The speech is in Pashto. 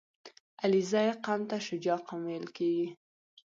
• علیزي قوم ته شجاع قوم ویل کېږي.